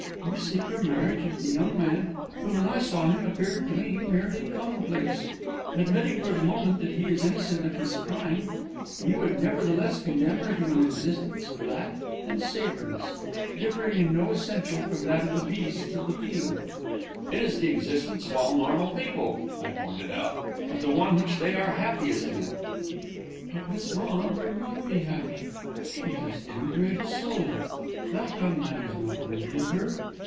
You seek her marriage with a young man who, when I saw him, appeared to me merely commonplace. Admitting for the moment that he is innocent of this crime, you would nevertheless condemn her to an existence flat and savourless, differing in no essential from that of the beasts of the field." "It is the existence of all normal people," I pointed out, "and the one which they are happiest in." "But Miss Vaughan would not be happy. She has too great a soul; that young man is not worthy of her.